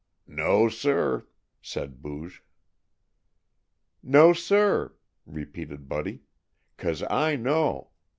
"No, sir!" said Booge. "No, sir!" repeated Buddy. "Cause I know!